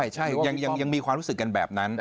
ใช่ยังมีความรู้สึกกันแบบนั้น